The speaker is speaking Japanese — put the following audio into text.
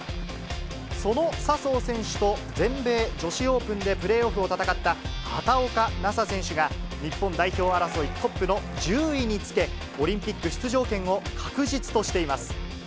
その笹生選手と全米女子オープンでプレーオフを戦った、畑岡奈紗選手が、日本代表争いトップの１０位につけ、オリンピック出場権を確実としています。